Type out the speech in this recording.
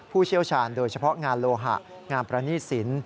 เชี่ยวชาญโดยเฉพาะงานโลหะงานประณีตสิน